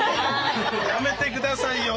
やめてくださいよ。